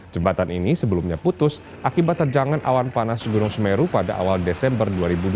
jembatan ini sebelumnya putus akibat terjangan awan panas gunung semeru pada awal desember dua ribu dua puluh